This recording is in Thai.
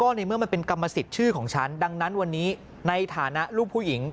ในเมื่อมันเป็นกรรมสิทธิ์ชื่อของฉันดังนั้นวันนี้ในฐานะลูกผู้หญิง